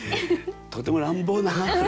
とても乱暴な。